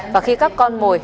và khi các con mồi